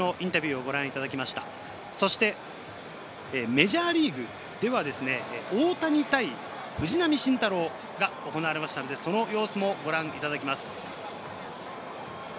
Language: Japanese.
メジャーリーグでは大谷対藤浪晋太郎が行われましたので、その様子をご覧いただきます。